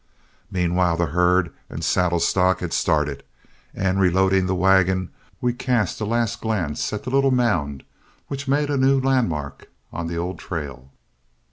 Meanwhile the herd and saddle stock had started, and reloading the wagon, we cast a last glance at the little mound which made a new landmark on the old trail.